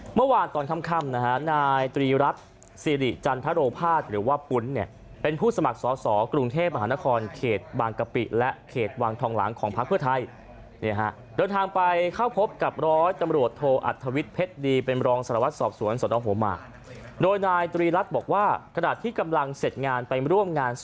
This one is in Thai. เมื่อวานตอนค่ำนะฮะนายตรีรัฐสิริจันทโรภาษหรือว่าปุ้นเนี่ยเป็นผู้สมัครสอสอกรุงเทพมหานครเขตบางกะปิและเขตวังทองหลังของพักเพื่อไทยเนี่ยฮะเดินทางไปเข้าพบกับร้อยตำรวจโทอัธวิทย์เพชรดีเป็นรองสารวัตรสอบสวนสนหัวหมากโดยนายตรีรัฐบอกว่าขณะที่กำลังเสร็จงานไปร่วมงานส